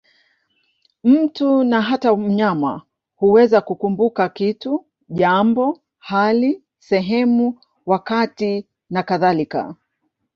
Mtu, na hata mnyama, huweza kukumbuka kitu, jambo, hali, sehemu, wakati nakadhalika.